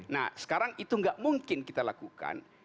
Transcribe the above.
nah sekarang itu nggak mungkin kita lakukan